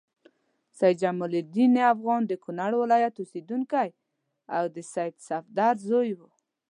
سید جمال الدین افغان د کونړ ولایت اوسیدونکی او د سید صفدر زوی و.